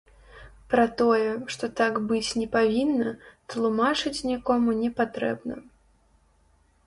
Пра тое, што так быць не павінна, тлумачыць нікому не патрэбна.